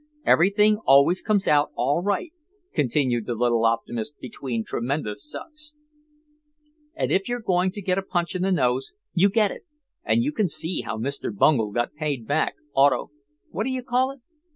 Everything always comes out all right," continued the little optimist between tremendous sucks, "and if you're going to get a punch in the nose you get it, and you can see how Mr. Bungel got paid back auto—what d'you call it?"